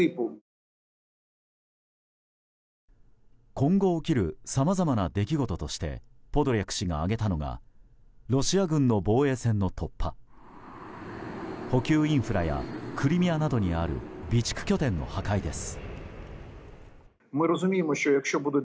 今後、起きるさまざまな出来事としてポドリャク氏が挙げたのがロシア軍の防衛線の突破補給インフラやクリミアなどにある備蓄拠点の破壊です。